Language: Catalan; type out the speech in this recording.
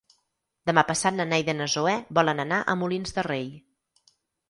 Demà passat na Neida i na Zoè volen anar a Molins de Rei.